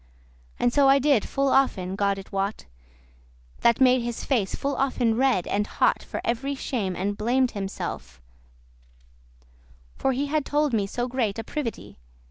* *jot And so I did full often, God it wot, That made his face full often red and hot For very shame, and blam'd himself, for he Had told to me so great a privity.